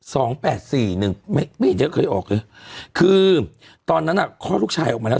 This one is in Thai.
แปดสี่หนึ่งไม่ไม่เห็นเยอะเคยออกเลยคือตอนนั้นอ่ะคลอดลูกชายออกมาแล้ว